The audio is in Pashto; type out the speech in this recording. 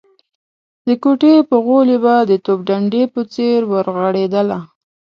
د کوټې په غولي به د توپ ډنډې په څېر ورغړېدله.